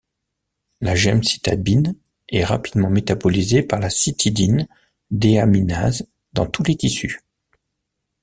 La gemcitabine est rapidement métabolisée par la cytidine déaminase dans tous les tissus.